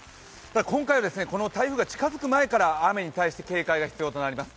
今回はこの台風が近づく前から雨に対して警戒が必要となっています。